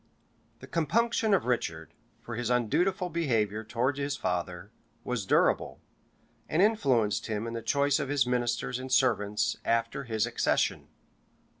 } The compunction of Richard, for his undutiful behavior towards his father, was durable, and influenced him in the choice of his ministers and servants after his accession.